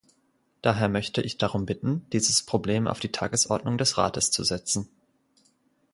Daher möchte ich darum bitten, dieses Problem auf die Tagesordnung des Rates zu setzen.